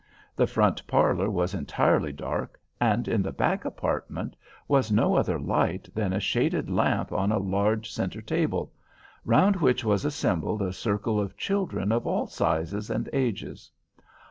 The front parlor was entirely dark, and in the back apartment was no other light than a shaded lamp on a large centre table, round which was assembled a circle of children of all sizes and ages.